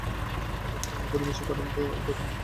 ঘাটের পুরনো ঔপনিবেশিক কাঠামোটি এখন ভগ্নপ্রায়।